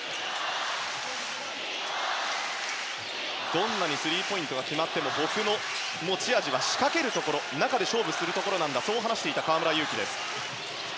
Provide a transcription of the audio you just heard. どんなにスリーポイントが決まっても僕の持ち味は仕掛けるところ中で勝負するところなんだそう話していた河村勇輝です。